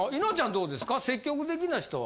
どうですか積極的な人は。